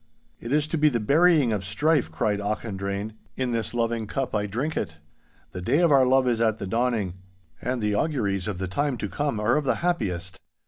'It is to be the burying of strife,' cried Auchendrayne; 'in this loving cup I drink it. The day of our love is at the dawning, and the auguries of the time to come are of the happiest.